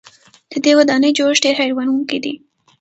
د دې ودانۍ جوړښت ډېر حیرانوونکی دی.